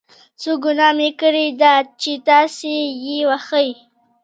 څه ګناه مې کړې ده چې تاسې یې وهئ.